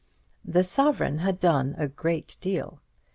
The sovereign had done a great deal.